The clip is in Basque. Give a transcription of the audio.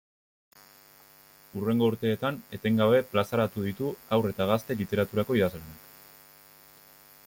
Hurrengo urteetan etengabe plazaratu ditu Haur eta Gazte Literaturako idazlanak.